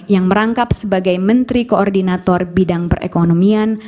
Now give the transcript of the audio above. yang merangkap sebagai menteri koordinator bidang perekonomian